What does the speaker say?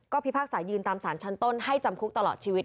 พิพากษายืนตามสารชั้นต้นให้จำคุกตลอดชีวิต